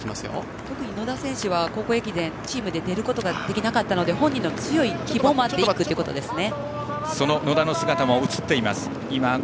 特に野田選手は高校駅伝に出られなかったので本人の強い希望もあって１区ということですね。